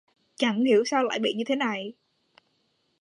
Chẳng hiểu sao lại bị như thế này